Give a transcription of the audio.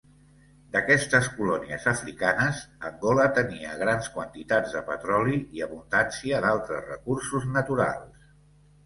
D'aquestes colònies africanes, Angola tenia grans quantitats de petroli i abundància d'altres recursos naturals.